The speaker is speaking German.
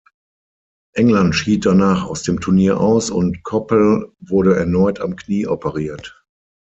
England schied danach aus dem Turnier aus und Coppell wurde erneut am Knie operiert.